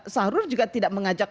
sahrul juga tidak mengajak